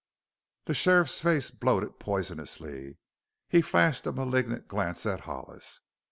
The sheriff's face bloated poisonously. He flashed a malignant glance at Hollis.